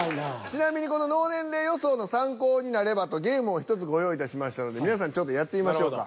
ちなみにこの脳年齢予想の参考になればとゲームを１つご用意いたしましたので皆さんやってみましょうか。